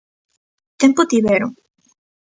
Tempo tiveron.